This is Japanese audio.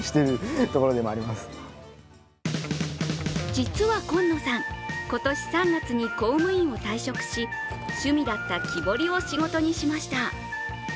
実はコンノさん、今年３月に公務員を退職し趣味だった木彫りを仕事にしました。